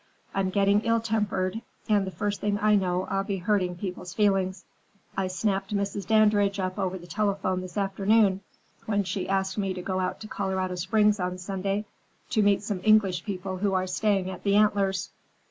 I'm getting ill tempered, and the first thing I know I'll be hurting people's feelings. I snapped Mrs. Dandridge up over the telephone this afternoon when she asked me to go out to Colorado Springs on Sunday to meet some English people who are staying at the Antlers.